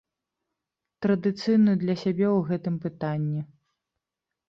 Традыцыйную для сябе ў гэтым пытанні.